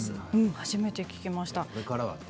初めて聞きました。